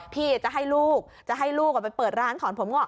พี่จะให้ลูกจะให้ลูกไปเปิดร้านถอนผมงอก